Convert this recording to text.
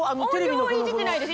音量はいじってないです。